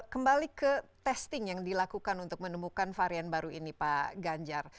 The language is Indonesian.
kembali ke testing yang dilakukan untuk menemukan varian baru ini pak ganjar